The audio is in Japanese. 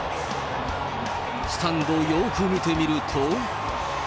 スタンドをよく見てみると。